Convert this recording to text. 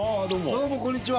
どうもこんにちは。